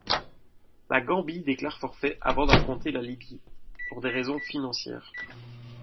La Gambie déclare forfait avant d'affronter la Libye, pour des raisons financières.